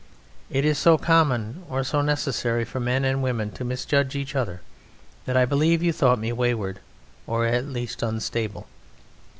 It is so common or so necessary for men and women to misjudge each other that I believe you thought me wayward, or at least unstable.